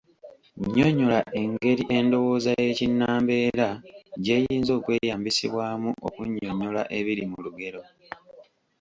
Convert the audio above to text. Nnyonnyola engeri endowooza y’Ekinnambeera gy’eyinza okweyambisibwamu okunnyonnyola ebiri mu lugero